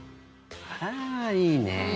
あー、いいね。